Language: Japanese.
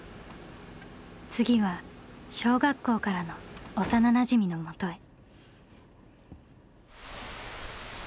次は小学校からの幼なじみのもとへ。